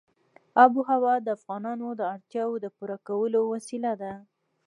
آب وهوا د افغانانو د اړتیاوو د پوره کولو وسیله ده.